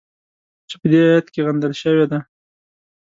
چې په دې ایت کې غندل شوې ده.